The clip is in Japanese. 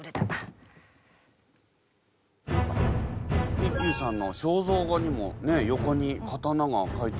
一休さんの肖像画にも横に刀が描いてあるけど。